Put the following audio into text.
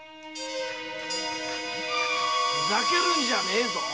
ふざけるんじゃねえぞ。